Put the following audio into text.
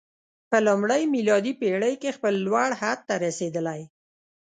په لومړۍ میلادي پېړۍ کې خپل لوړ حد ته رسېدلی.